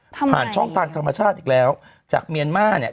ผ่านช่องทางธรรมชาติอีกแล้วจากเมียนมาร์เนี่ย